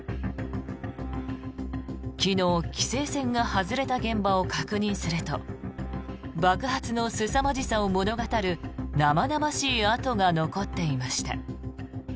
昨日、規制線が外れた現場を確認すると爆発のすさまじさを物語る生々しい跡が残っていました。